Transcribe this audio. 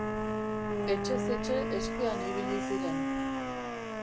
Etxez etxe eskean ibili ziren.